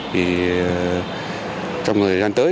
thì trong thời gian tới